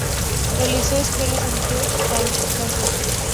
Realizó escuela en Tours, Francia.